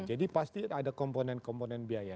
jadi pasti ada komponen komponen biaya